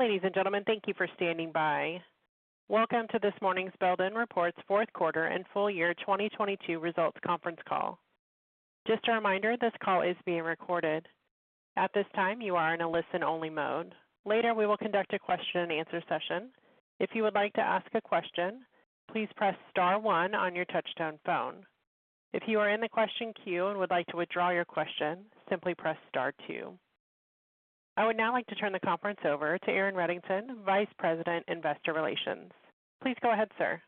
Ladies and gentlemen, thank you for standing by. Welcome to this morning's Belden reports Q4 and full year 2022 results conference call. Just a reminder, this call is being recorded. At this time, you are in a listen-only mode. Later, we will conduct a question and answer session. If you would like to ask a question, please press star one on your touch-tone phone. If you are in the question queue and would like to withdraw your question, simply press star two. I would now like to turn the conference over to Aaron Reddington, Vice President, Investor Relations. Please go ahead, sir.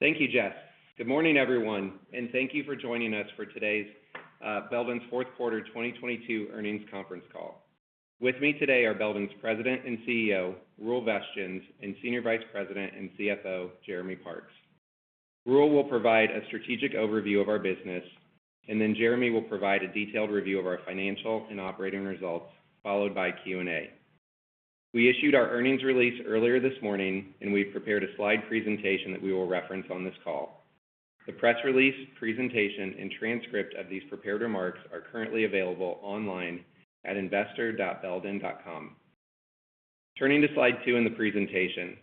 Thank you, Jess. Good morning, everyone, thank you for joining us for today's Belden's Q4 2022 earnings conference call. With me today are Belden's President and CEO, Roel Vestjens, and Senior Vice President and CFO, Jeremy Parks. Roel will provide a strategic overview of our business, Jeremy will provide a detailed review of our financial and operating results, followed by Q&A. We issued our earnings release earlier this morning, we've prepared a slide presentation that we will reference on this call. The press release, presentation, and transcript of these prepared remarks are currently available online at investor.belden.com. Turning to slide two in the presentation.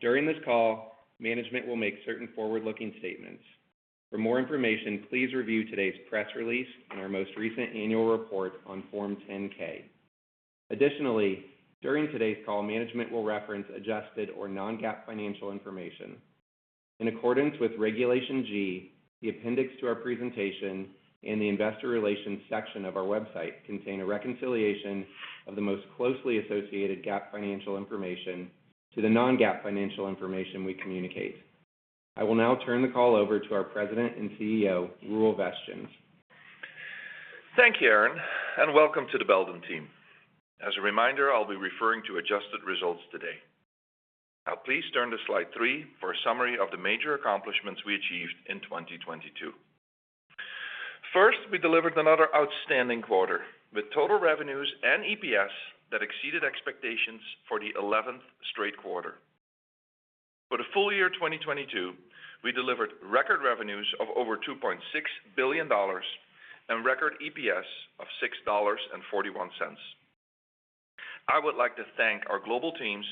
During this call, management will make certain forward-looking statements. For more information, please review today's press release and our most recent annual report on Form 10-K. During today's call, management will reference adjusted or non-GAAP financial information. In accordance with Regulation G, the appendix to our presentation in the investor relations section of our website contain a reconciliation of the most closely associated GAAP financial information to the non-GAAP financial information we communicate. I will now turn the call over to our President and CEO, Roel Vestjens. Thank you, Aaron, and welcome to the Belden team. As a reminder, I'll be referring to adjusted results today. Please turn to slide three for a summary of the major accomplishments we achieved in 2022. First, we delivered another outstanding quarter, with total revenues and EPS that exceeded expectations for the eleventh straight quarter. For the full year 2022, we delivered record revenues of over $2.6 billion and record EPS of $6.41. I would like to thank our global teams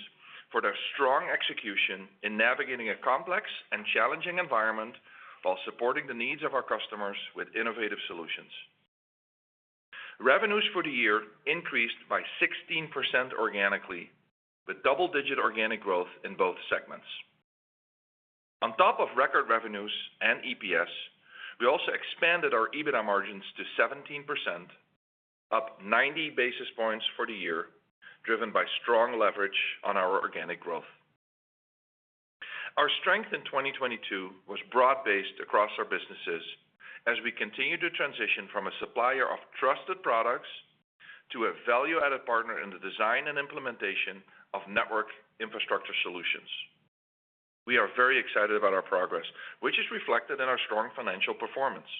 for their strong execution in navigating a complex and challenging environment while supporting the needs of our customers with innovative solutions. Revenues for the year increased by 16% organically, with double-digit organic growth in both segments. On top of record revenues and EPS, we also expanded our EBITDA margins to 17%, up 90 basis points for the year, driven by strong leverage on our organic growth. Our strength in 2022 was broad-based across our businesses as we continued to transition from a supplier of trusted products to a value-added partner in the design and implementation of network infrastructure solutions. We are very excited about our progress, which is reflected in our strong financial performance.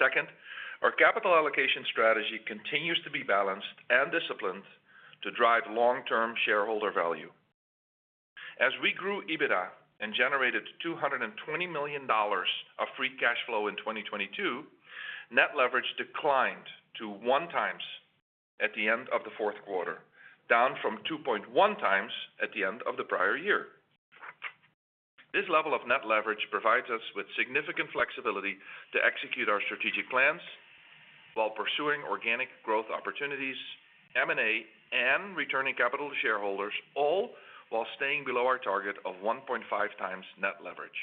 Second, our capital allocation strategy continues to be balanced and disciplined to drive long-term shareholder value. As we grew EBITDA and generated $220 million of free cash flow in 2022, net leverage declined to 1x at the end of the Q4, down from 2.1x at the end of the prior year. This level of net leverage provides us with significant flexibility to execute our strategic plans while pursuing organic growth opportunities, M&A, and returning capital to shareholders, all while staying below our target of 1.5 times net leverage.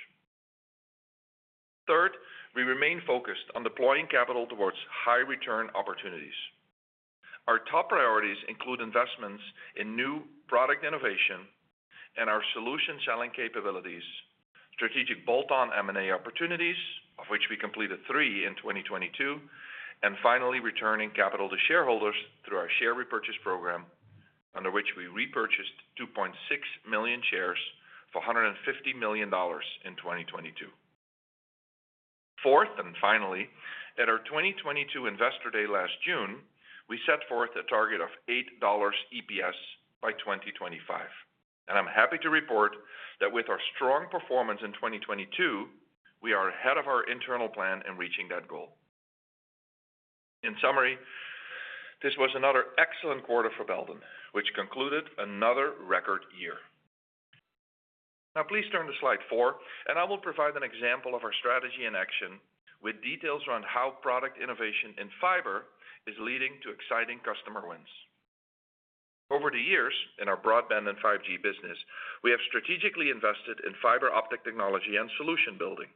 Third, we remain focused on deploying capital towards high-return opportunities. Our top priorities include investments in new product innovation and our solution selling capabilities, strategic bolt-on M&A opportunities, of which we completed three in 2022, and finally, returning capital to shareholders through our share repurchase program, under which we repurchased 2.6 million shares for $150 million in 2022. Fourth, at our 2022 Investor Day last June, we set forth a target of $8 EPS by 2025, and I'm happy to report that with our strong performance in 2022, we are ahead of our internal plan in reaching that goal. In summary, this was another excellent quarter for Belden, which concluded another record year. Now please turn to slide four, and I will provide an example of our strategy in action with details around how product innovation in fiber is leading to exciting customer wins. Over the years in our broadband and 5G business, we have strategically invested in fiber optic technology and solution building.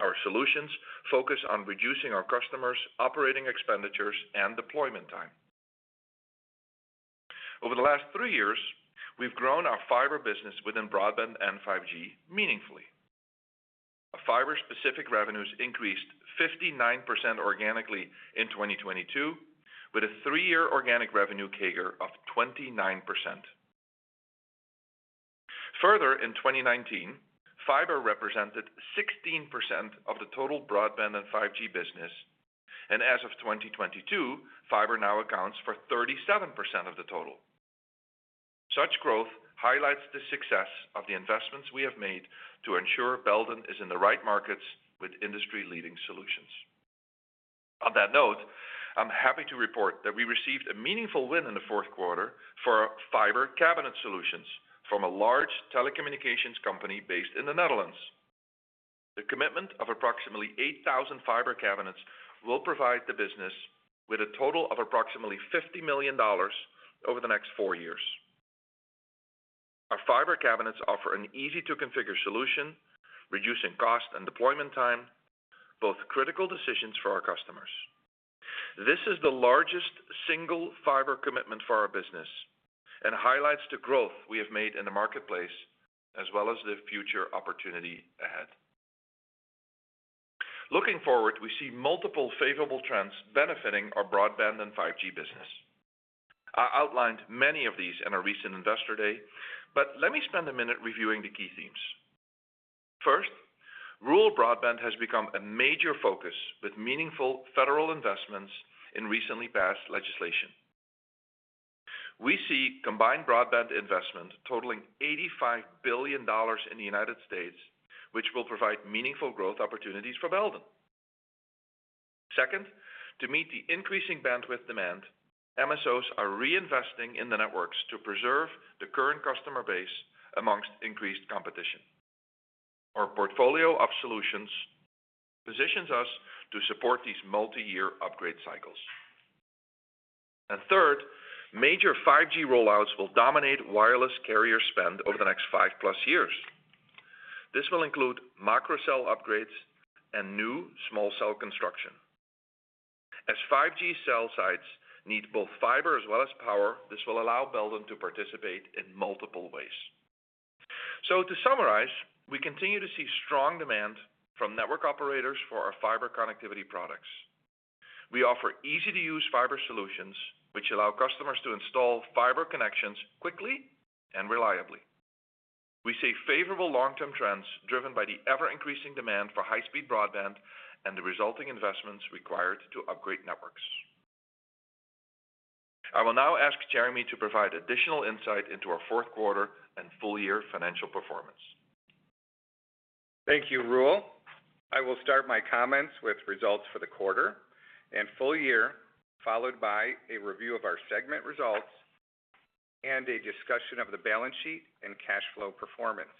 Our solutions focus on reducing our customers' operating expenditures and deployment time. Over the last three years, we've grown our fiber business within broadband and 5G meaningfully. Our fiber-specific revenues increased 59% organically in 2022, with a three-year organic revenue CAGR of 29%. Further, in 2019, fiber represented 16% of the total broadband and 5G business, and as of 2022, fiber now accounts for 37% of the total. Such growth highlights the success of the investments we have made to ensure Belden is in the right markets with industry-leading solutions. On that note, I'm happy to report that we received a meaningful win in the Q4 for fiber cabinet solutions from a large telecommunications company based in the Netherlands. The commitment of approximately 8,000 fiber cabinets will provide the business with a total of approximately $50 million over the next four years. Our fiber cabinets offer an easy-to-configure solution, reducing cost and deployment time, both critical decisions for our customers. This is the largest single fiber commitment for our business and highlights the growth we have made in the marketplace as well as the future opportunity ahead. Looking forward, we see multiple favorable trends benefiting our broadband and 5G business. I outlined many of these in our recent Investor Day, but let me spend a minute reviewing the key themes. First, rural broadband has become a major focus with meaningful federal investments in recently passed legislation. We see combined broadband investment totaling $85 billion in the United States, which will provide meaningful growth opportunities for Belden. Second, to meet the increasing bandwidth demand, MSOs are reinvesting in the networks to preserve the current customer base amongst increased competition. Our portfolio of solutions positions us to support these multiyear upgrade cycles. Third, major 5G rollouts will dominate wireless carrier spend over the next five plus years. This will include micro cell upgrades and new small cell construction. As 5G cell sites need both fiber as well as power, this will allow Belden to participate in multiple ways. To summarize, we continue to see strong demand from network operators for our fiber connectivity products. We offer easy-to-use fiber solutions, which allow customers to install fiber connections quickly and reliably. We see favorable long-term trends driven by the ever-increasing demand for high-speed broadband and the resulting investments required to upgrade networks. I will now ask Jeremy to provide additional insight into our Q4 and full-year financial performance. Thank you, Roel. I will start my comments with results for the quarter and full year, followed by a review of our segment results and a discussion of the balance sheet and cash flow performance.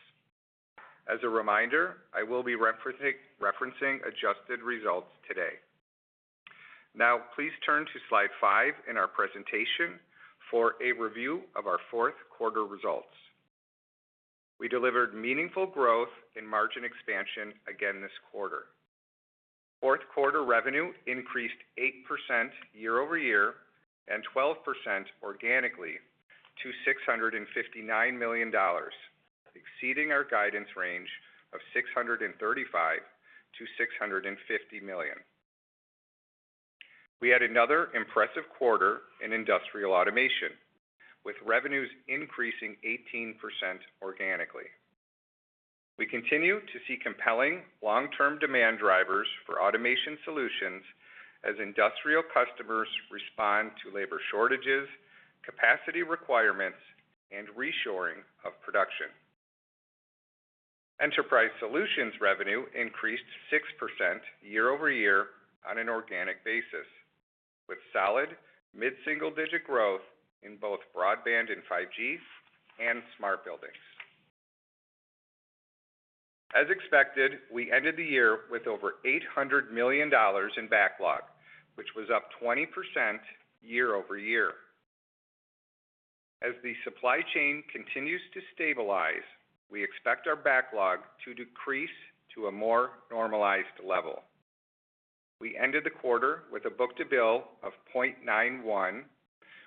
As a reminder, I will be referencing adjusted results today. Now, please turn to slide five in our presentation for a review of our Q4 results. We delivered meaningful growth in margin expansion again this quarter. Q4 revenue increased 8% year-over-year and 12% organically to $659 million, exceeding our guidance range of $635 million-$650 million. We had another impressive quarter in Industrial Automation, with revenues increasing 18% organically. We continue to see compelling long-term demand drivers for automation solutions as industrial customers respond to labor shortages, capacity requirements, and reshoring of production. Enterprise Solutions revenue increased 6% year-over-year on an organic basis, with solid mid-single-digit growth in both broadband and 5G and smart buildings. As expected, we ended the year with over $800 million in backlog, which was up 20% year-over-year. As the supply chain continues to stabilize, we expect our backlog to decrease to a more normalized level. We ended the quarter with a book-to-bill of 0.91,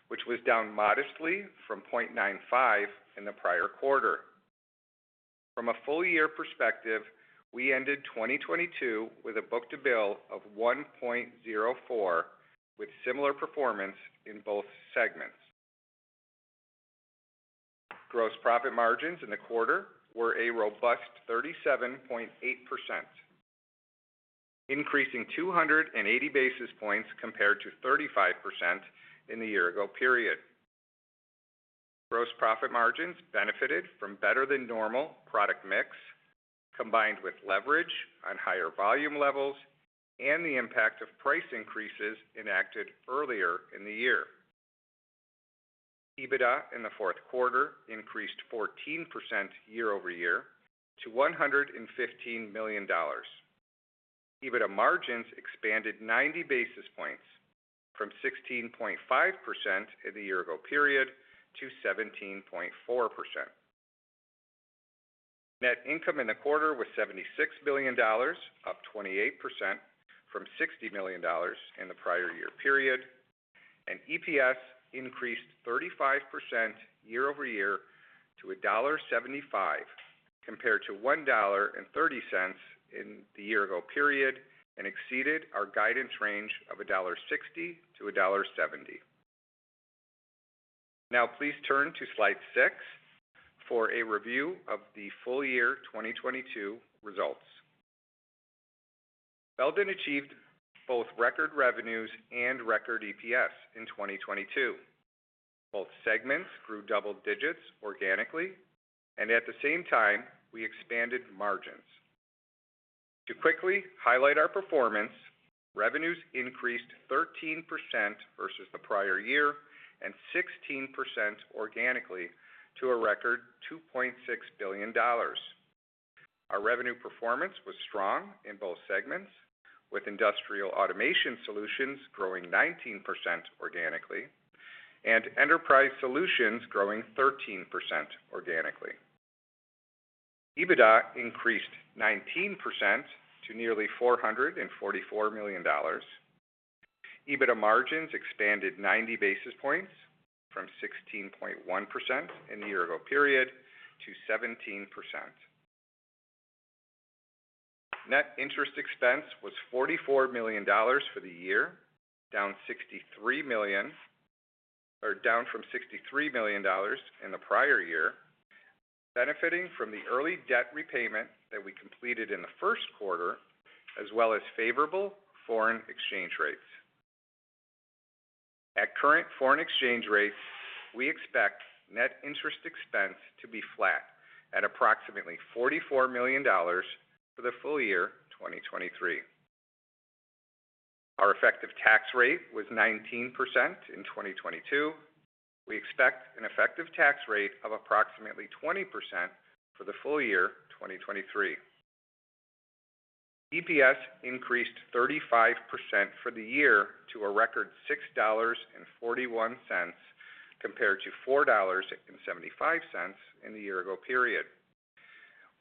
which was down modestly from 0.95 in the prior quarter. From a full-year perspective, we ended 2022 with a book-to-bill of 1.04, with similar performance in both segments. Gross profit margins in the quarter were a robust 37.8%, increasing 280 basis points compared to 35% in the year ago period. Gross profit margins benefited from better than normal product mix, combined with leverage on higher volume levels and the impact of price increases enacted earlier in the year. EBITDA in the Q4 increased 14% year-over-year to $115 million. EBITDA margins expanded 90 basis points from 16.5% in the year ago period to 17.4%. Net income in the quarter was $76 million, up 28% from $60 million in the prior year period. EPS increased 35% year-over-year to $1.75, compared to $1.30 in the year ago period, and exceeded our guidance range of $1.60-$1.70. Now, please turn to slide six for a review of the full year 2022 results. Belden achieved both record revenues and record EPS in 2022. Both segments grew double digits organically, at the same time, we expanded margins. To quickly highlight our performance, revenues increased 13% versus the prior year and 16% organically to a record $2.6 billion. Our revenue performance was strong in both segments, with Industrial Automation Solutions growing 19% organically and Enterprise Solutions growing 13% organically. EBITDA increased 19% to nearly $444 million. EBITDA margins expanded 90 basis points from 16.1% in the year ago period to 17%. Net interest expense was $44 million for the year, down $63 million. or down from $63 million in the prior year, benefiting from the early debt repayment that we completed in the Q1, as well as favorable foreign exchange rates. At current foreign exchange rates, we expect net interest expense to be flat at approximately $44 million for the full year 2023. Our effective tax rate was 19% in 2022. We expect an effective tax rate of approximately 20% for the full year 2023. EPS increased 35% for the year to a record $6.41 compared to $4.75 in the year ago period.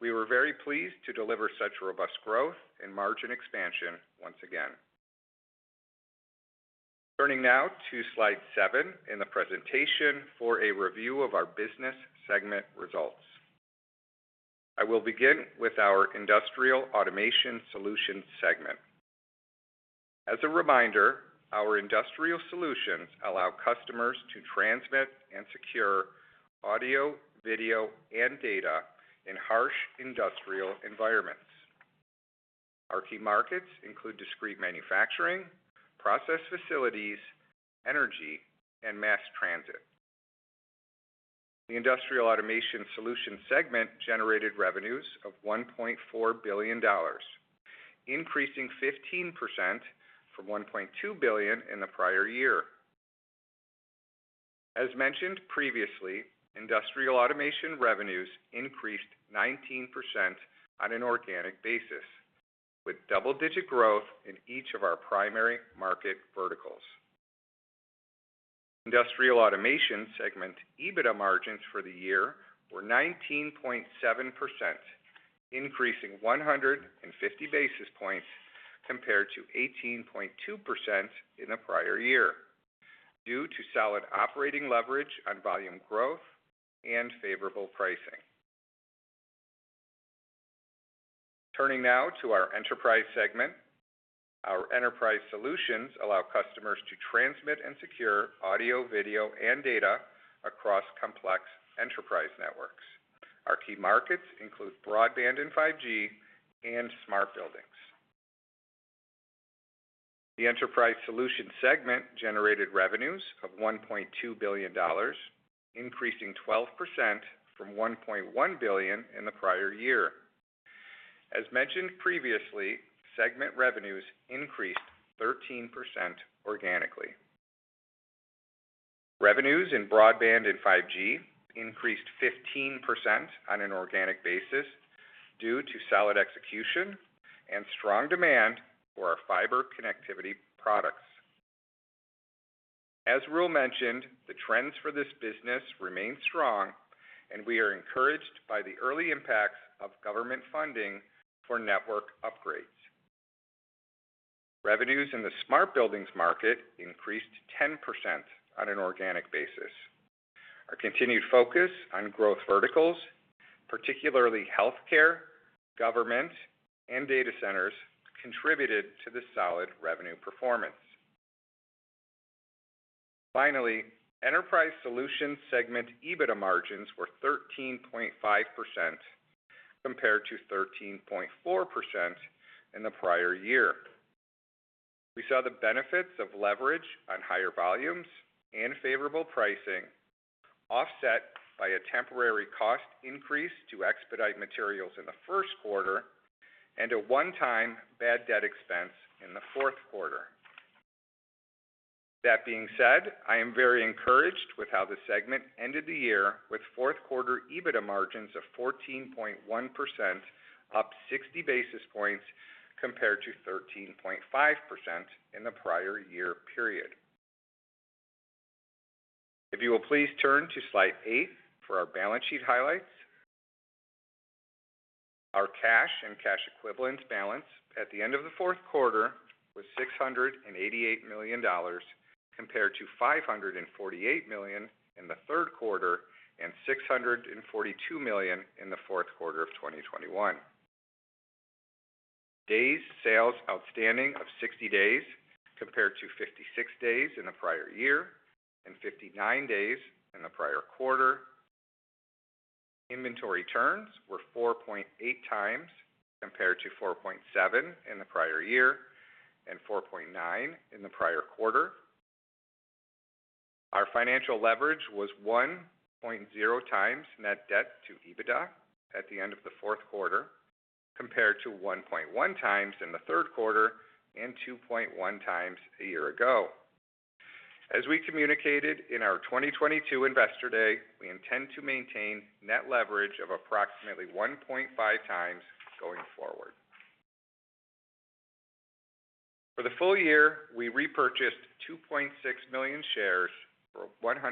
We were very pleased to deliver such robust growth and margin expansion once again. Turning now to slide seven in the presentation for a review of our business segment results. I will begin with our Industrial Automation Solutions segment. As a reminder, our industrial solutions allow customers to transmit and secure audio, video, and data in harsh industrial environments. Our key markets include discrete manufacturing, process facilities, energy, and mass transit. The Industrial Automation Solutions segment generated revenues of $1.4 billion, increasing 15% from $1.2 billion in the prior year. As mentioned previously, Industrial Automation revenues increased 19% on an organic basis, with double-digit growth in each of our primary market verticals. Industrial Automation segment EBITDA margins for the year were 19.7%, increasing 150 basis points compared to 18.2% in the prior year, due to solid operating leverage on volume growth and favorable pricing. Turning now to our Enterprise Solutions segment. Our Enterprise Solutions allow customers to transmit and secure audio, video, and data across complex enterprise networks. Our key markets include broadband and 5G and smart buildings. The Enterprise Solutions segment generated revenues of $1.2 billion, increasing 12% from $1.1 billion in the prior year. As mentioned previously, segment revenues increased 13% organically. Revenues in broadband and 5G increased 15% on an organic basis due to solid execution and strong demand for our fiber connectivity products. As Roel mentioned, the trends for this business remain strong, and we are encouraged by the early impacts of government funding for network upgrades. Revenues in the smart buildings market increased 10% on an organic basis. Our continued focus on growth verticals, particularly healthcare, government, and data centers, contributed to the solid revenue performance. Finally, Enterprise Solutions segment EBITDA margins were 13.5% compared to 13.4% in the prior year. We saw the benefits of leverage on higher volumes and favorable pricing offset by a temporary cost increase to expedite materials in the Q1 and a one-time bad debt expense in the Q4. That being said, I am very encouraged with how the segment ended the year, with Q4 EBITDA margins of 14.1%, up 60 basis points compared to 13.5% in the prior year period. If you will please turn to slide eight for our balance sheet highlights. Our cash and cash equivalents balance at the end of the Q4 was $688 million compared to $548 million in the Q3 and $642 million in the Q4 of 2021. Days sales outstanding of 60 days compared to 56 days in the prior year and 59 days in the prior quarter. Inventory turns were 4.8 times compared to 4.7 in the prior year, and 4.9 in the prior quarter. Our financial leverage was 1.0 times net debt to EBITDA at the end of the Q4, compared to 1.1 times in the Q3 and 2.1 times a year ago. As we communicated in our 2022 Investor Day, we intend to maintain net leverage of approximately 1.5 times going forward. For the full year, we repurchased 2.6 million shares for $150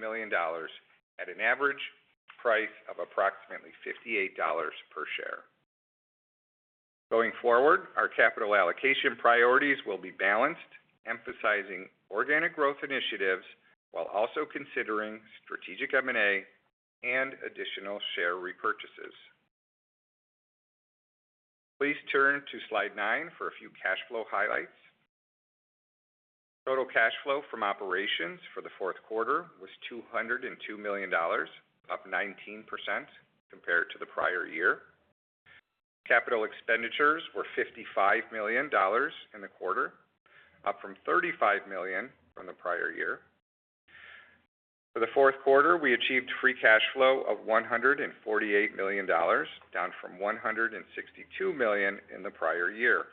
million at an average price of approximately $58 per share. Going forward, our capital allocation priorities will be balanced, emphasizing organic growth initiatives while also considering strategic M&A and additional share repurchases. Please turn to slide nine for a few cash flow highlights. Total cash flow from operations for the Q4 was $202 million, up 19% compared to the prior year. Capital expenditures were $55 million in the quarter, up from $35 million from the prior year. For the Q4, we achieved free cash flow of $148 million, down from $162 million in the prior year.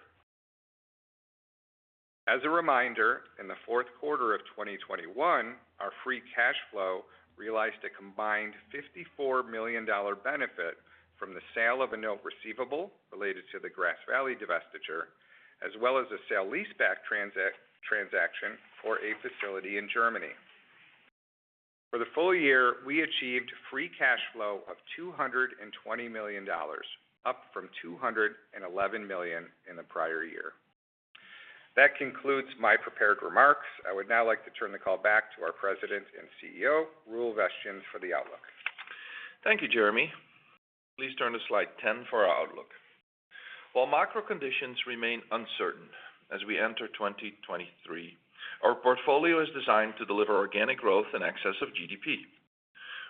As a reminder, in the Q4 of 2021, our free cash flow realized a combined $54 million benefit from the sale of a note receivable related to the Grass Valley divestiture, as well as a sale leaseback transaction for a facility in Germany. For the full year, we achieved free cash flow of $220 million, up from $211 million in the prior year. That concludes my prepared remarks. I would now like to turn the call back to our President and CEO, Roel Vestjens, for the outlook. Thank you, Jeremy. Please turn to slide 10 for our outlook. While macro conditions remain uncertain as we enter 2023, our portfolio is designed to deliver organic growth in excess of GDP.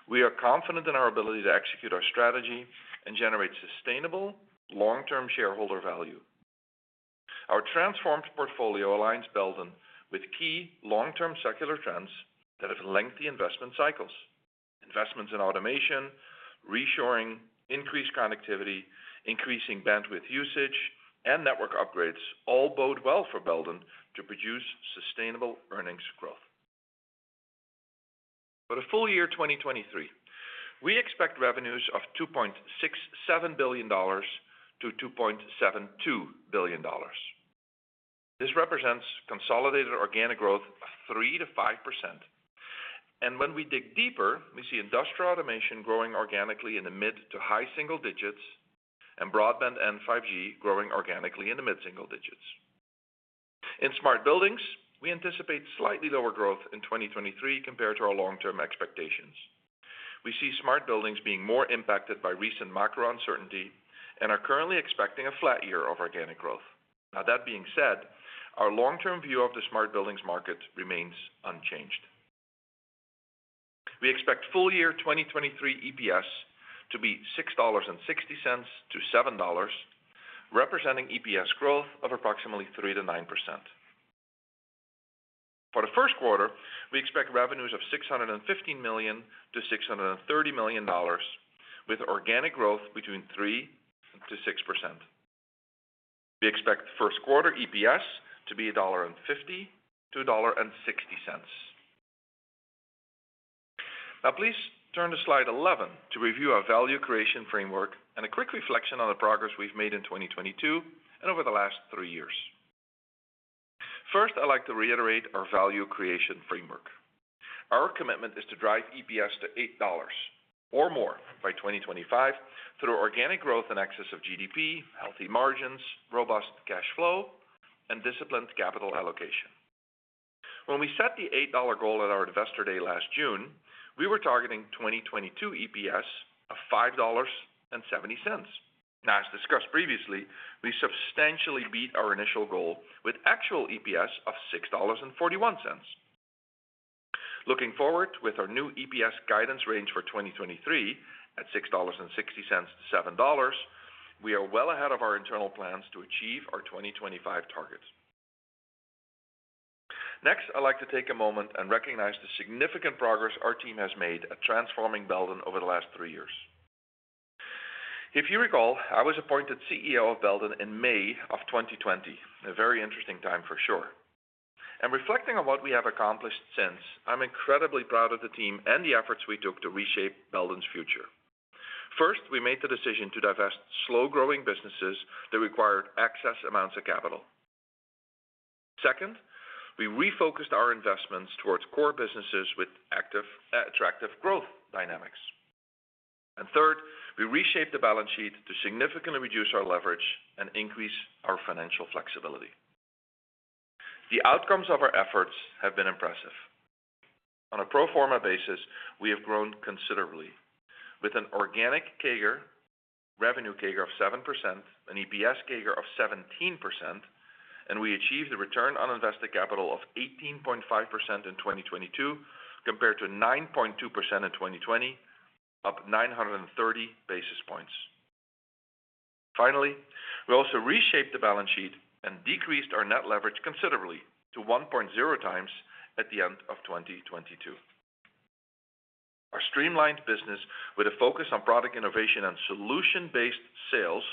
We are confident in our ability to execute our strategy and generate sustainable long-term shareholder value. Our transformed portfolio aligns Belden with key long-term secular trends that have lengthy investment cycles. Investments in automation, reshoring, increased connectivity, increasing bandwidth usage, and network upgrades all bode well for Belden to produce sustainable earnings growth. For the full year 2023, we expect revenues of $2.67 billion-$2.72 billion. This represents consolidated organic growth of 3%-5%. When we dig deeper, we see Industrial Automation growing organically in the mid to high single digits, and broadband and 5G growing organically in the mid single digits. In smart buildings, we anticipate slightly lower growth in 2023 compared to our long-term expectations. We see smart buildings being more impacted by recent macro uncertainty and are currently expecting a flat year of organic growth. That being said, our long-term view of the smart buildings market remains unchanged. We expect full year 2023 EPS to be $6.60-$7.00, representing EPS growth of approximately 3%-9%. For the Q1, we expect revenues of $615 million-$630 million with organic growth between 3%-6%. We expect Q1 EPS to be $1.50-$1.60. Please turn to slide 11 to review our value creation framework and a quick reflection on the progress we've made in 2022 and over the last three years. First, I'd like to reiterate our value creation framework. Our commitment is to drive EPS to $8 or more by 2025 through organic growth in excess of GDP, healthy margins, robust cash flow, and disciplined capital allocation. When we set the $8 goal at our Investor Day last June, we were targeting 2022 EPS of $5.70. As discussed previously, we substantially beat our initial goal with actual EPS of $6.41. Looking forward with our new EPS guidance range for 2023 at $6.60-$7.00, we are well ahead of our internal plans to achieve our 2025 targets. Next, I'd like to take a moment and recognize the significant progress our team has made at transforming Belden over the last three years. If you recall, I was appointed CEO of Belden in May of 2020. A very interesting time for sure. Reflecting on what we have accomplished since, I'm incredibly proud of the team and the efforts we took to reshape Belden's future. First, we made the decision to divest slow-growing businesses that required excess amounts of capital. Second, we refocused our investments towards core businesses with attractive growth dynamics. Third, we reshaped the balance sheet to significantly reduce our leverage and increase our financial flexibility. The outcomes of our efforts have been impressive. On a pro forma basis, we have grown considerably. With an organic Revenue CAGR of 7%, an EPS CAGR of 17%, and we achieved a return on invested capital of 18.5% in 2022 compared to 9.2% in 2020, up 930 basis points. Finally, we also reshaped the balance sheet and decreased our net leverage considerably to 1.0x at the end of 2022. Our streamlined business, with a focus on product innovation and solution-based sales,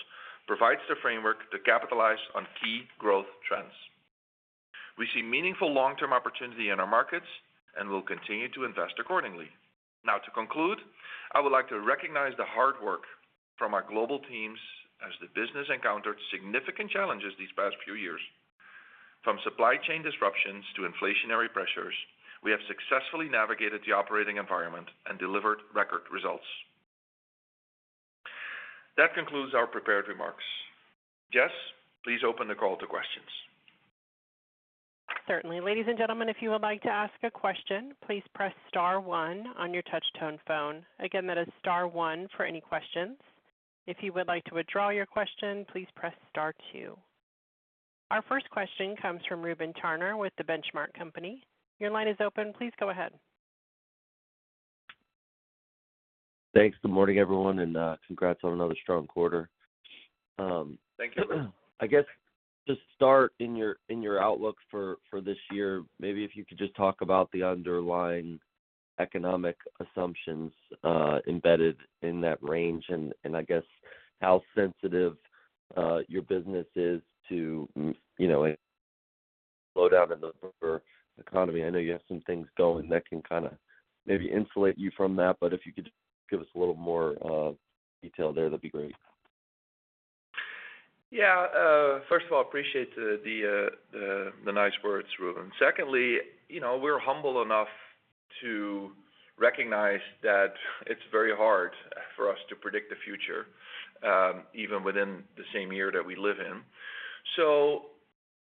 provides the framework to capitalize on key growth trends. We see meaningful long-term opportunity in our markets and will continue to invest accordingly. To conclude, I would like to recognize the hard work from our global teams as the business encountered significant challenges these past few years. From supply chain disruptions to inflationary pressures, we have successfully navigated the operating environment and delivered record results. That concludes our prepared remarks. Jess, please open the call to questions. Certainly. Ladies and gentlemen, if you would like to ask a question, please press star one on your touch-tone phone. Again, that is star one for any questions. If you would like to withdraw your question, please press star two. Our first question comes from Reuben Garner with The Benchmark Company. Your line is open. Please go ahead. Thanks. Good morning, everyone, and congrats on another strong quarter. Thank you. I guess to start in your outlook for this year, maybe if you could just talk about the underlying economic assumptions embedded in that range and I guess how sensitive your business is to, you know, a slowdown in the economy. I know you have some things going that can kind of maybe insulate you from that, but if you could give us a little more detail there, that'd be great. First of all, appreciate the nice words, Reuben. Secondly, you know, we're humble enough to recognize that it's very hard for us to predict the future, even within the same year that we live in.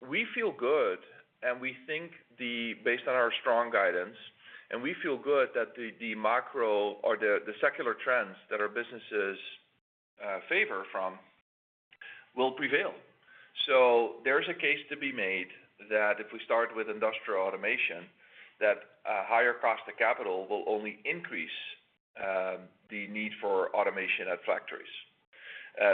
We feel good, and we think based on our strong guidance, and we feel good that the macro or the secular trends that our businesses, favor from will prevail. There's a case to be made that if we start with Industrial Automation, that a higher cost of capital will only increase, the need for automation at factories.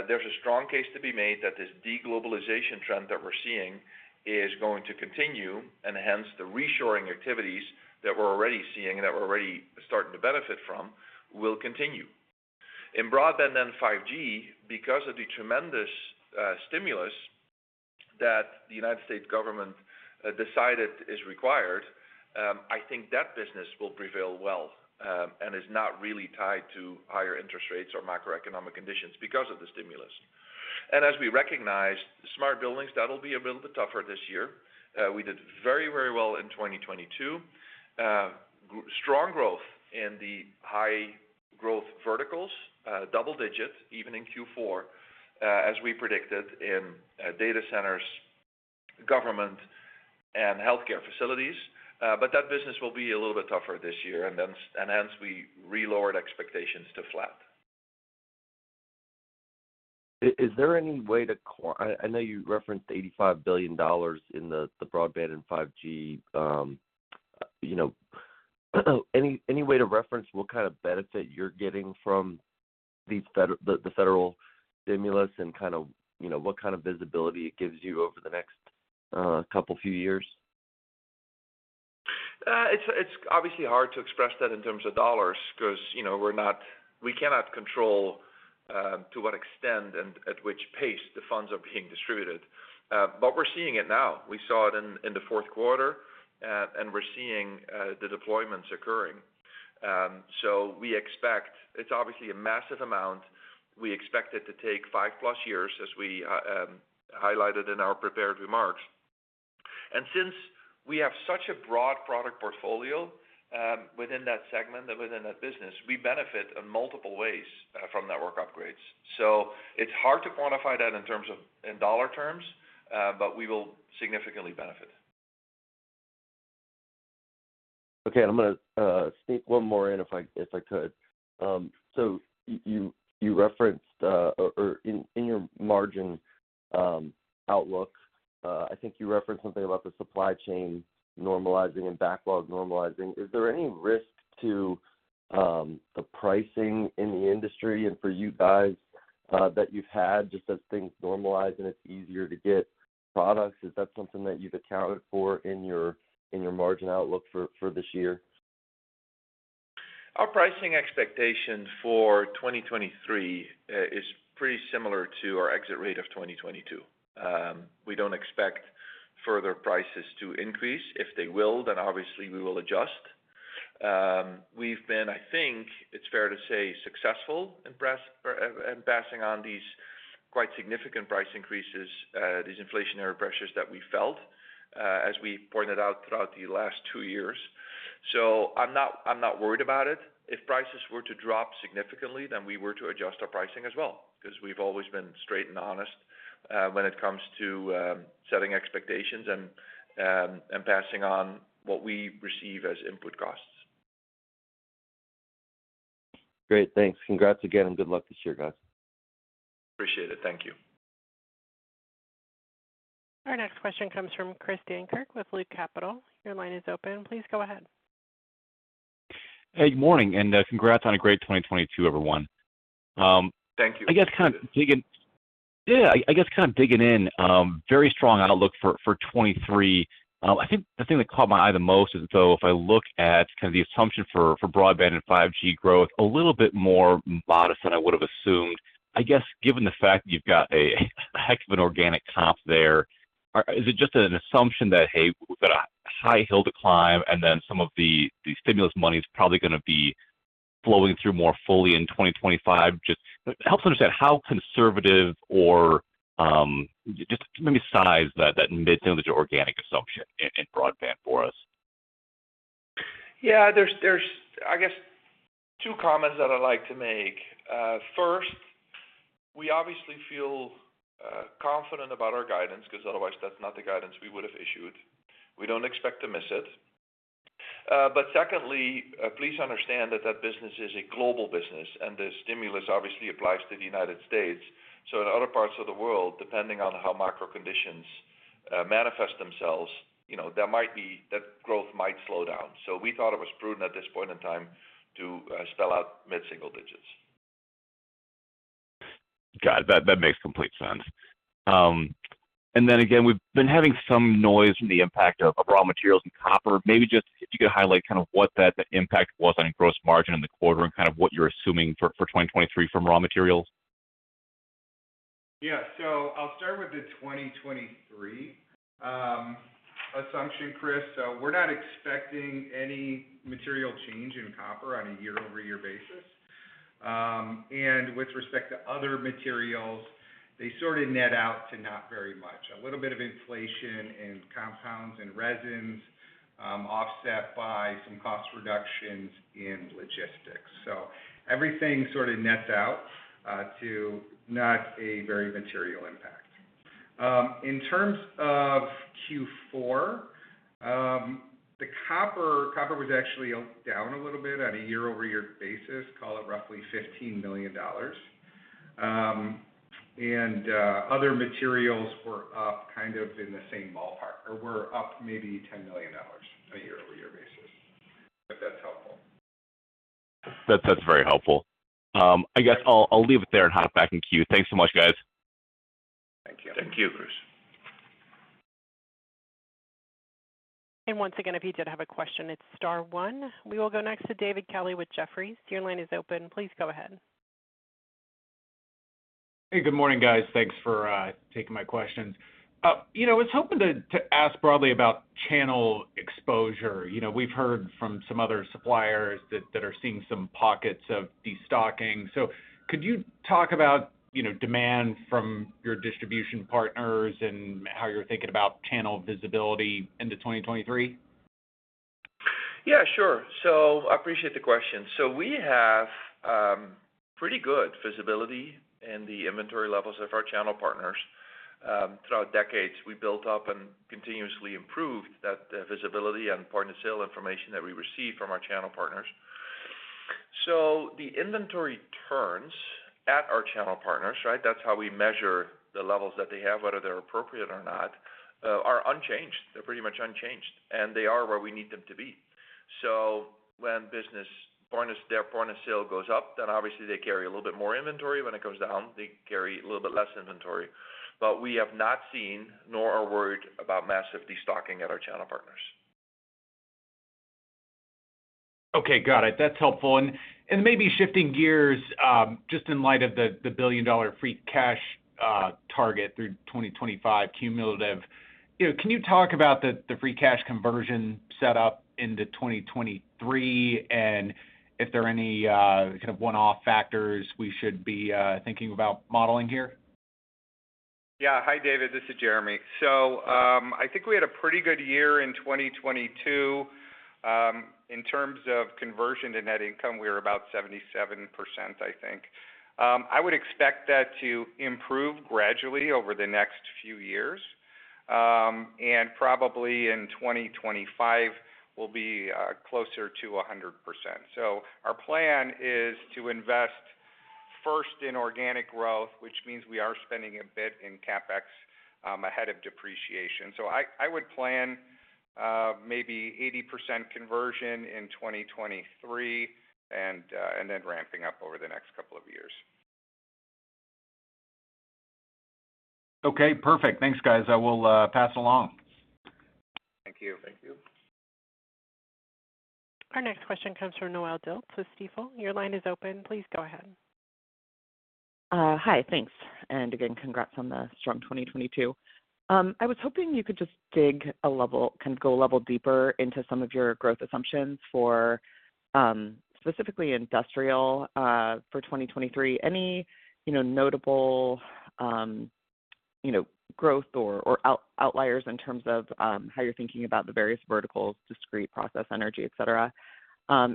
There's a strong case to be made that this de-globalization trend that we're seeing is going to continue, and hence the reshoring activities that we're already seeing and that we're already starting to benefit from will continue. In broadband and 5G, because of the tremendous stimulus that the United States government decided is required, I think that business will prevail well, and is not really tied to higher interest rates or macroeconomic conditions because of the stimulus. As we recognized, smart buildings, that'll be a little bit tougher this year. We did very, very well in 2022. Strong growth in the high-growth verticals, double digit even in Q4, as we predicted in data centers, government, and healthcare facilities. That business will be a little bit tougher this year and hence we re-lowered expectations to flat. Is there any way to I know you referenced $85 billion in the broadband and 5G, you know? Any way to reference what kind of benefit you're getting from the federal stimulus and kind of, you know, what kind of visibility it gives you over the next couple, few years? It's obviously hard to express that in terms of dollars 'cause, you know, we cannot control to what extent and at which pace the funds are being distributed. We're seeing it now. We saw it in the Q4, and we're seeing the deployments occurring. It's obviously a massive amount. We expect it to take five plus years, as we highlighted in our prepared remarks. Since we have such a broad product portfolio within that segment and within that business, we benefit in multiple ways from network upgrades. It's hard to quantify that in terms of, in dollar terms, but we will significantly benefit. I'm gonna sneak one more in if I could. You referenced or in your margin outlook, I think you referenced something about the supply chain normalizing and backlog normalizing. Is there any risk to the pricing in the industry and for you guys that you've had just as things normalize and it's easier to get products? Is that something that you've accounted for in your margin outlook for this year? Our pricing expectation for 2023 is pretty similar to our exit rate of 2022. We don't expect further prices to increase. If they will, then obviously we will adjust. We've been, I think it's fair to say, successful in passing on these quite significant price increases, these inflationary pressures that we felt, as we pointed out throughout the last two years. I'm not, I'm not worried about it. If prices were to drop significantly, then we were to adjust our pricing as well, because we've always been straight and honest when it comes to setting expectations and passing on what we receive as input costs. Great. Thanks. Congrats again, and good luck this year, guys. Appreciate it. Thank you. Our next question comes from Chris Dankert with Loop Capital. Your line is open. Please go ahead. Hey, good morning, and congrats on a great 2022, everyone. Thank you. I guess kind of digging in, very strong outlook for 2023. I think the thing that caught my eye the most is though if I look at kind of the assumption for broadband and 5G growth, a little bit more modest than I would have assumed. I guess given the fact that you've got a heck of an organic comp there, is it just an assumption that, hey, we've got a high hill to climb, and then some of the stimulus money is probably gonna be flowing through more fully in 2025? Just help us understand how conservative or just maybe size that mid-single digit organic assumption in broadband for us. Yeah. There's, I guess, two comments that I'd like to make. First, we obviously feel confident about our guidance because otherwise that's not the guidance we would have issued. We don't expect to miss it. Secondly, please understand that that business is a global business, and the stimulus obviously applies to the United States. In other parts of the world, depending on how macro conditions manifest themselves, you know, there might be that growth might slow down. We thought it was prudent at this point in time to spell out mid-single digits. Got it. That makes complete sense. Again, we've been having some noise from the impact of raw materials and copper. Maybe just if you could highlight kind of what that impact was on gross margin in the quarter and kind of what you're assuming for 2023 from raw materials? Yeah. I'll start with the 2023 assumption, Chris. We're not expecting any material change in copper on a year-over-year basis. With respect to other materials, they sort of net out to not very much. A little bit of inflation in compounds and resins, offset by some cost reductions in logistics. Everything sort of nets out to not a very material impact. In terms of Q4, the copper was actually down a little bit on a year-over-year basis, call it roughly $15 million. Other materials were up kind of in the same ballpark or were up maybe $10 million on a year-over-year basis, if that's helpful. That's very helpful. I guess I'll leave it there and hop back in queue. Thanks so much, guys. Thank you. Thank you, Chris. Once again, if you did have a question, it's star one. We will go next to David Kelley with Jefferies. Your line is open. Please go ahead. Hey, good morning, guys. Thanks for taking my questions. you know, I was hoping to ask broadly about channel exposure. You know, we've heard from some other suppliers that are seeing some pockets of destocking. could you talk about, you know, demand from your distribution partners and how you're thinking about channel visibility into 2023? Yeah, sure. I appreciate the question. We have pretty good visibility in the inventory levels of our channel partners. Throughout decades, we built up and continuously improved that, the visibility and point of sale information that we receive from our channel partners. The inventory turns at our channel partners, right? That's how we measure the levels that they have, whether they're appropriate or not, are unchanged. They're pretty much unchanged, and they are where we need them to be. When their point of sale goes up, then obviously they carry a little bit more inventory. When it goes down, they carry a little bit less inventory. We have not seen nor are worried about massive destocking at our channel partners. Okay. Got it. That's helpful. Maybe shifting gears, just in light of the billion-dollar free cash target through 2025 cumulative. You know, can you talk about the free cash conversion set up into 2023, and if there are any, kind of one-off factors we should be, thinking about modeling here? Yeah. Hi, David, this is Jeremy. I think we had a pretty good year in 2022. In terms of conversion to net income, we were about 77%, I think. I would expect that to improve gradually over the next few years. Probably in 2025, we'll be closer to 100%. Our plan is to invest first in organic growth, which means we are spending a bit in CapEx, ahead of depreciation. I would plan maybe 80% conversion in 2023 and then ramping up over the next couple of years. Okay, perfect. Thanks, guys. I will pass along. Thank you. Thank you. Our next question comes from Noelle Dilts with Stifel. Your line is open. Please go ahead. Hi. Thanks. Again, congrats on the strong 2022. I was hoping you could just go a level deeper into some of your growth assumptions for specifically industrial for 2023. Any, you know, notable, you know, growth or outliers in terms of how you're thinking about the various verticals, discrete process, energy, et cetera.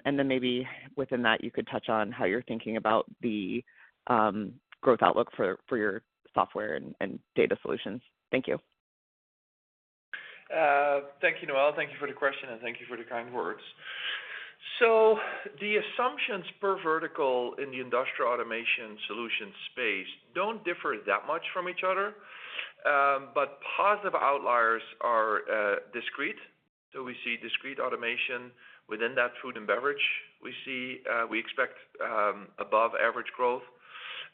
Maybe within that you could touch on how you're thinking about the growth outlook for your software and data solutions. Thank you. Thank you, Noelle. Thank you for the question, and thank you for the kind words. The assumptions per vertical in the Industrial Automation Solutions space don't differ that much from each other. Positive outliers are discrete. We see discrete automation within that food and beverage. We expect above average growth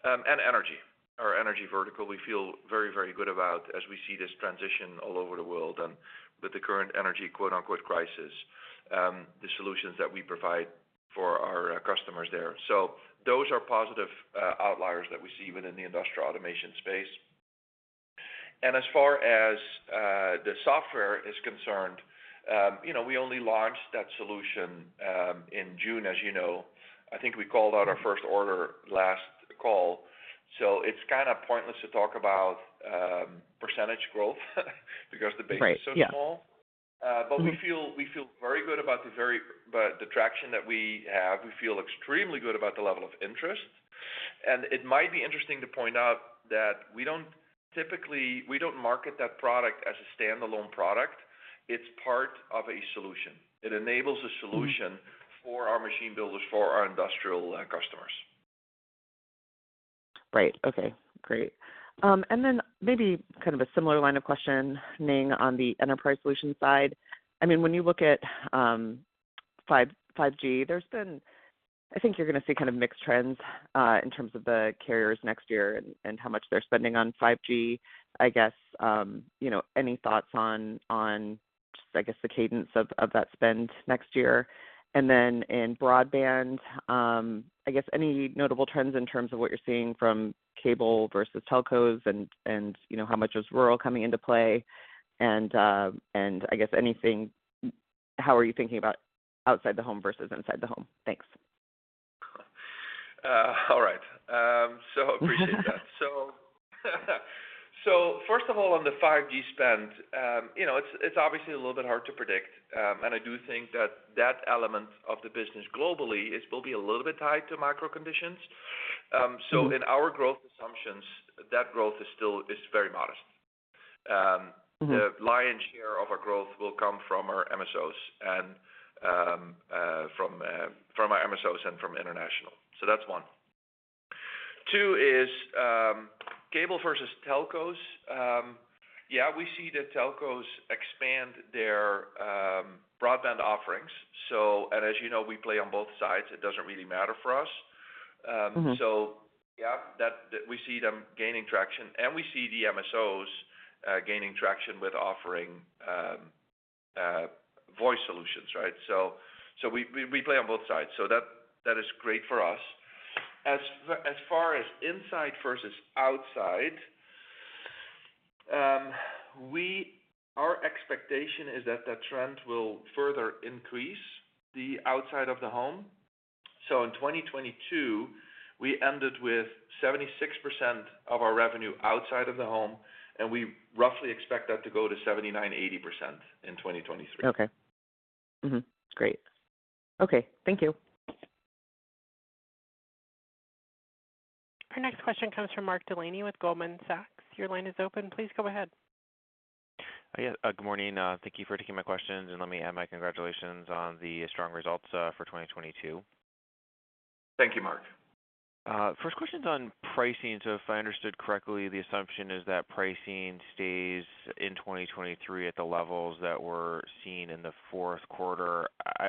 and energy. Our energy vertical, we feel very, very good about as we see this transition all over the world and with the current energy, quote-unquote, "crisis," the solutions that we provide for our customers there. Those are positive outliers that we see even in the Industrial Automation Solutions space. As far as the software is concerned, you know, we only launched that solution in June, as you know. I think we called out our first order last call. it's kind of pointless to talk about percentage growth because the. Right. Yeah -is so small. Mm-hmm. We feel very good about the traction that we have. We feel extremely good about the level of interest. It might be interesting to point out that we don't market that product as a standalone product. It's part of a solution. It enables a solution. Mm-hmm. for our machine builders, for our industrial customers. Right. Okay, great. Then maybe kind of a similar line of questioning on the Enterprise Solutions side. I mean, when you look at 5G, there's been... I think you're gonna see kind of mixed trends in terms of the carriers next year and how much they're spending on 5G. I guess, you know, any thoughts on just, I guess, the cadence of that spend next year? Then in broadband, I guess any notable trends in terms of what you're seeing from cable versus telcos and, you know, how much is rural coming into play? I guess anything, how are you thinking about outside the home versus inside the home? Thanks. All right. Appreciate that. First of all, on the 5G spend, you know, it's obviously a little bit hard to predict. I do think that that element of the business globally will be a little bit tied to macro conditions. Mm-hmm. in our growth assumptions, that growth is still very modest. Mm-hmm. The lion's share of our growth will come from our MSOs and from international. That's one. Two is cable versus telcos. Yeah, we see the telcos expand their broadband offerings. As you know, we play on both sides, it doesn't really matter for us. Mm-hmm. Yeah, that, we see them gaining traction, and we see the MSOs gaining traction with offering voice solutions, right? We play on both sides. That is great for us. As far as inside versus outside, our expectation is that that trend will further increase the outside of the home. In 2022, we ended with 76% of our revenue outside of the home, and we roughly expect that to go to 79%-80% in 2023. Okay. Mm-hmm. Great. Okay. Thank you. Our next question comes from Mark Delaney with Goldman Sachs. Your line is open. Please go ahead. Yeah. Good morning. Thank you for taking my questions, and let me add my congratulations on the strong results, for 2022. Thank you, Mark. First question's on pricing. If I understood correctly, the assumption is that pricing stays in 2023 at the levels that were seen in the Q4.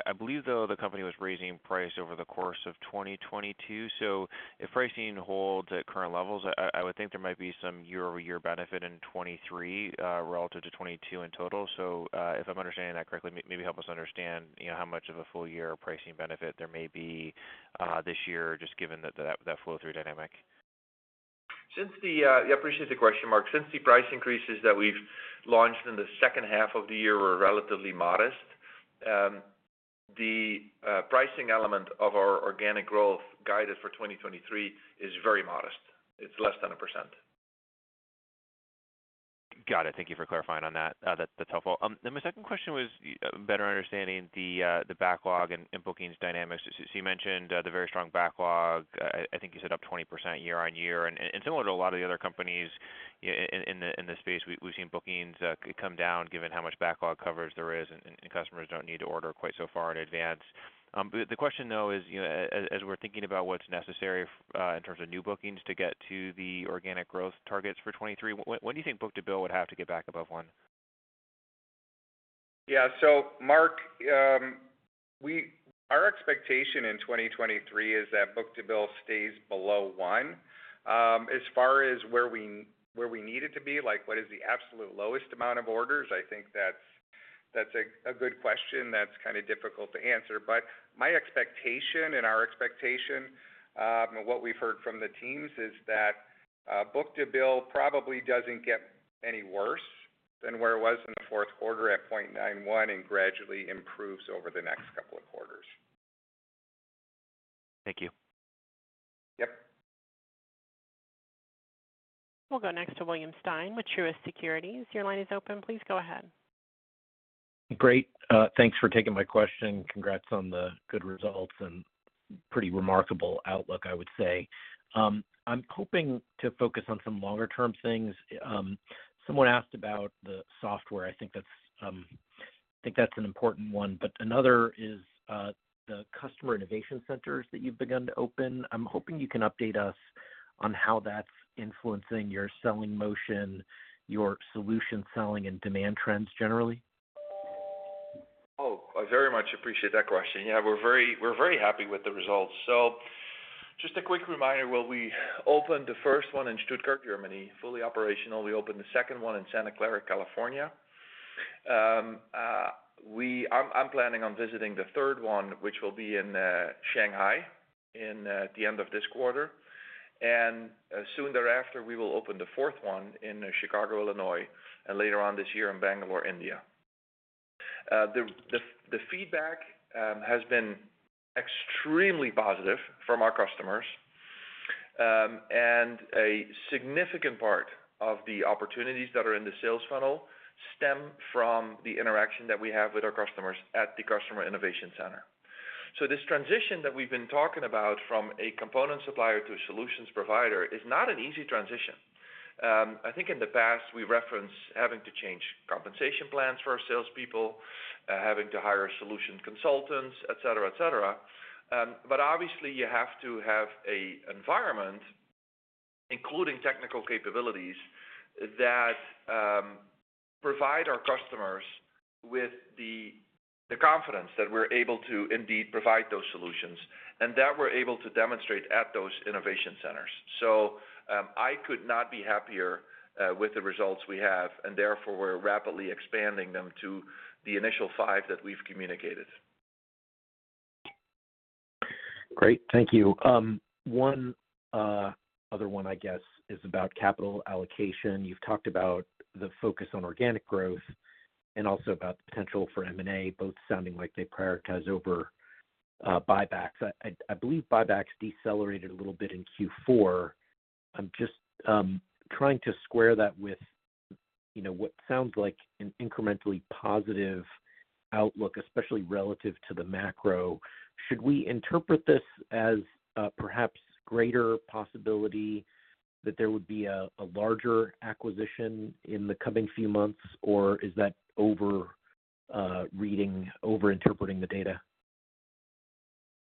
I believe though the company was raising price over the course of 2022. If pricing holds at current levels, I would think there might be some year-over-year benefit in 2023 relative to 2022 in total. If I'm understanding that correctly, maybe help us understand, you know, how much of a full year pricing benefit there may be this year, just given the that flow through dynamic. Yeah, appreciate the question, Mark. Since the price increases that we've launched in the second half of the year were relatively modest, the pricing element of our organic growth guided for 2023 is very modest. It's less than 1%. Got it. Thank you for clarifying on that. That's helpful. My second question was better understanding the backlog and bookings dynamics. You mentioned the very strong backlog. I think you said up 20% year-over-year. Similar to a lot of the other companies in this space, we've seen bookings come down given how much backlog coverage there is and customers don't need to order quite so far in advance. The question though is, you know, as we're thinking about what's necessary in terms of new bookings to get to the organic growth targets for 2023, when do you think book-to-bill would have to get back above 1? Mark, our expectation in 2023 is that book-to-bill stays below 1one. As far as where we need it to be, like what is the absolute lowest amount of orders, I think that's a good question that's kind of difficult to answer. My expectation and our expectation, and what we've heard from the teams is that book-to-bill probably doesn't get any worse than where it was in the Q4 at 0.91 and gradually improves over the next couple of quarters. Thank you. Yep. We'll go next to William Stein with Truist Securities. Your line is open. Please go ahead. Great. Thanks for taking my question. Congrats on the good results and pretty remarkable outlook, I would say. I'm hoping to focus on some longer term things. Someone asked about the software. I think that's an important one. Another is the customer innovation centers that you've begun to open. I'm hoping you can update us on how that's influencing your selling motion, your solution selling and demand trends generally. Oh, I very much appreciate that question. Yeah, we're very happy with the results. Just a quick reminder, where we opened the first one in Stuttgart, Germany, fully operational. We opened the second one in Santa Clara, California. I'm planning on visiting the third one, which will be in Shanghai in the end of this quarter. Soon thereafter, we will open the fourth one in Chicago, Illinois, and later on this year in Bangalore, India. The feedback has been extremely positive from our customers. A significant part of the opportunities that are in the sales funnel stem from the interaction that we have with our customers at the customer innovation center. This transition that we've been talking about from a component supplier to a solutions provider is not an easy transition. I think in the past we referenced having to change compensation plans for our salespeople, having to hire solution consultants, et cetera, et cetera. Obviously you have to have a environment, including technical capabilities, that provide our customers with the confidence that we're able to indeed provide those solutions and that we're able to demonstrate at those innovation centers. I could not be happier with the results we have, and therefore we're rapidly expanding them to the initial five that we've communicated. Great. Thank you. One other one I guess is about capital allocation. You've talked about the focus on organic growth and also about the potential for M&A, both sounding like they prioritize over buybacks. I believe buybacks decelerated a little bit in Q4. I'm just, trying to square that with, you know, what sounds like an incrementally positive outlook, especially relative to the macro. Should we interpret this as perhaps greater possibility that there would be a larger acquisition in the coming few months, or is that over, reading, over-interpreting the data?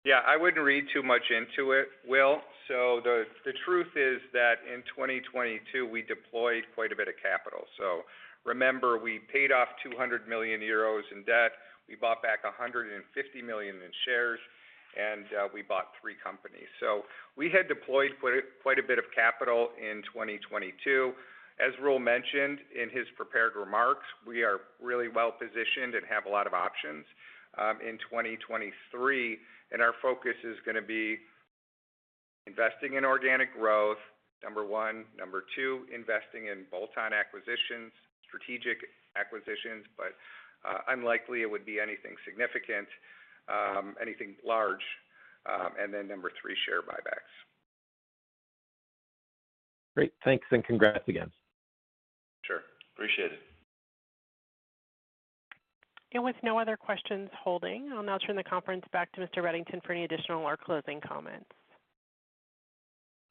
Yeah, I wouldn't read too much into it, Will. The truth is that in 2022 we deployed quite a bit of capital. Remember, we paid off 200 million euros in debt. We bought back $150 million in shares, and we bought three companies. We had deployed quite a bit of capital in 2022. As Roel mentioned in his prepared remarks, we are really well-positioned and have a lot of options in 2023, and our focus is gonna be investing in organic growth, number one. Number two, investing in bolt-on acquisitions, strategic acquisitions, but unlikely it would be anything significant, anything large. Number three, share buybacks. Great. Thanks and congrats again. Sure. Appreciate it. With no other questions holding, I'll now turn the conference back to Mr. Reddington for any additional or closing comments.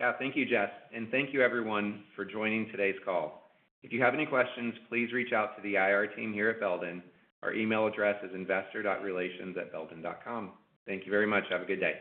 Yeah. Thank you, Jess. Thank you everyone for joining today's call. If you have any questions, please reach out to the IR team here at Belden. Our email address is investor.relations@belden.com. Thank you very much. Have a good day.